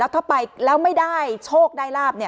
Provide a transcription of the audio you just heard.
ถ้าไปแล้วไม่ได้โชคได้ลาบ